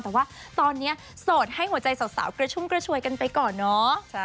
แต่ว่าตอนนี้โสดให้หัวใจสาวกระชุ่มกระชวยกันไปก่อนเนาะ